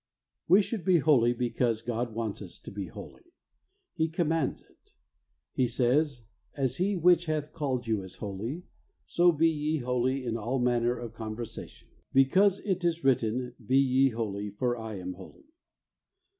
We should be holy because God wants us to be holy. He commands it. He says, 'As He which hath called you is holy, so be ye holy in all manner of conversation : because it is written. Be ye holy, for I am holy.